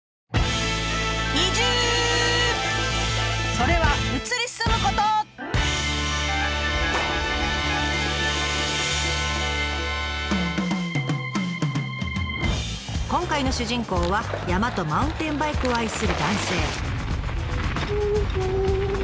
それは今回の主人公は山とマウンテンバイクを愛する男性。